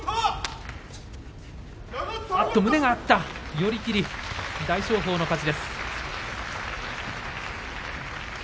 寄り切り、大翔鵬の勝ち。